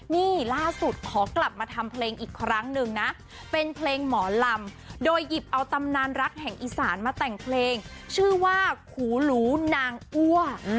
นี่ล่าสุดขอกลับมาทำเพลงอีกครั้งหนึ่งนะเป็นเพลงหมอลำโดยหยิบเอาตำนานรักแห่งอีสานมาแต่งเพลงชื่อว่าขูหรูนางอ้ว